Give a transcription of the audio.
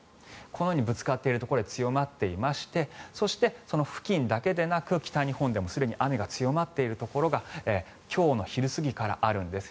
このようにぶつかっているところで強まっていましてそして、付近だけでなく北日本でもすでに雨が強まっているところが今日の昼過ぎからあるんです。